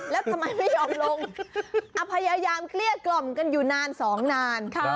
แล้วทำไมไม่ยอมลงพยายามเกลี้ยกล่อมกันอยู่นานสองนาน